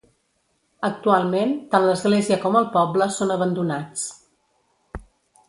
Actualment tant l'església com el poble són abandonats.